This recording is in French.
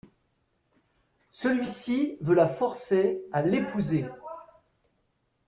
Celui-ci veut la forcer à l'épouser.